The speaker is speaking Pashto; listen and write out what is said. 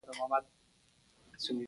کوتره د آسمان نرمه مرغه ده.